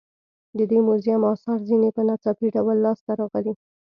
د دې موزیم اثار ځینې په ناڅاپي ډول لاس ته راغلي.